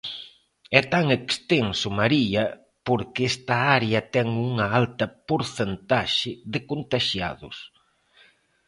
É tan extenso, María, porque esta área ten unha alta porcentaxe de contaxiados...